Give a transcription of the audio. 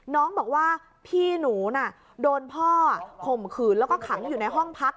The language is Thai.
น้องบอกว่าพี่หนูน่ะโดนพ่อข่มขืนแล้วก็ขังอยู่ในห้องพัก